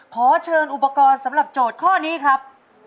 ขอเชิญอุปกรณ์สำหรับโจทย์ข้อนี้ครับ